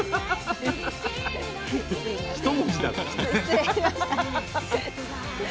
ひと文字だからね。